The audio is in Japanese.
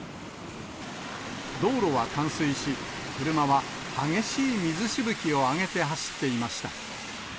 道路は冠水し、車は激しい水しぶきを上げて走っていました。